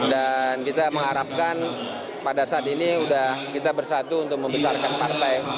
kita mengharapkan pada saat ini sudah kita bersatu untuk membesarkan partai